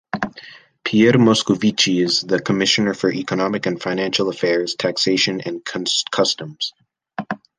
Pierre Moscovici is the Commissioner for Economic and Financial Affairs, Taxation and Customs.